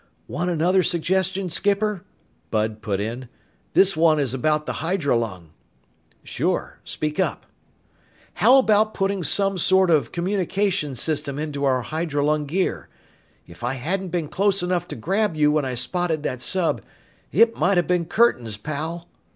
"Want another suggestion, skipper?" Bud put in. "This one is about the hydrolung." "Sure. Speak up." "How about putting some sort of communications system into our hydrolung gear? If I hadn't been close enough to grab you when I spotted that sub, it might have been curtains, pal!"